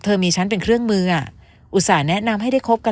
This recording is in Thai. มีฉันเป็นเครื่องมืออุตส่าห์แนะนำให้ได้คบกัน